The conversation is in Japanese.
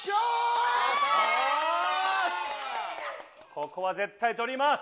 ここは絶対とります！